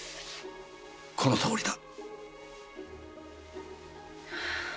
このとおりだ。